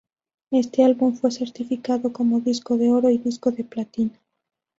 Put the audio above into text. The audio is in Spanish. Este álbum fue certificado como "disco de oro" y "disco de platino".